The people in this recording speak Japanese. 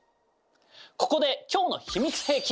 ここで今日の秘密兵器！